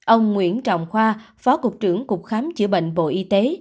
ông nguyễn trọng khoa phó cục trưởng cục khám chữa bệnh bộ y tế